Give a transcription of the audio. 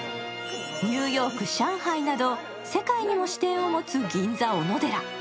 ニューヨーク、上海など世界にも支店を持つ銀座おのでら。